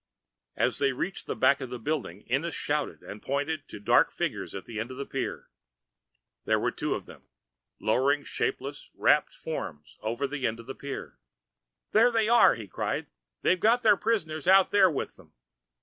As they reached the back of the building, Ennis shouted and pointed to dark figures at the end of the pier. There were two of them, lowering shapeless, wrapped forms over the end of the pier. "There they are!" he cried. "They've got their prisoners out there with them."